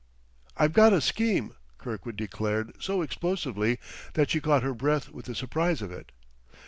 "I've got a scheme!" Kirkwood declared so explosively that she caught her breath with the surprise of it.